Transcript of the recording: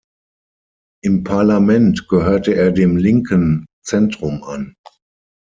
Im Parlament gehörte er dem linken Zentrum an.